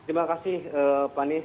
terima kasih pak nih